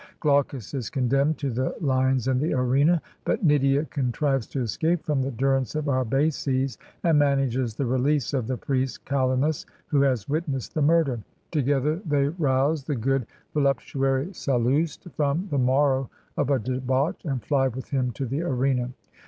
Glaucus is condenmed to the lions in the arena; but Nydia contrives to escape from the durance of Arbaces, and manages the release of the priest Galenas, who has witnessed the murder; together they rouse the good voluptuary Sallust from the morrow of a debauch and fly with him to the arena.